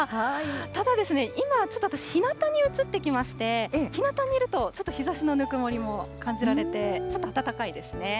ただですね、今ちょっと私、ひなたに移ってきまして、ひなたにいると、ちょっと日ざしのぬくもりも感じられて、ちょっと暖かいですね。